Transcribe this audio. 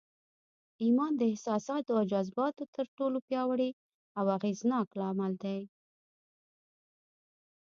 ايمان د احساساتو او جذباتو تر ټولو پياوړی او اغېزناک لامل دی.